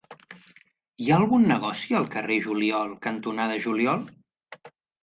Hi ha algun negoci al carrer Juliol cantonada Juliol?